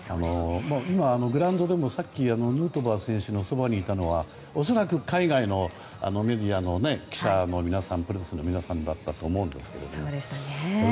グラウンドでも、さっきヌートバー選手のそばにいたのは恐らく海外のメディアの記者の皆さんだったと思うんですが。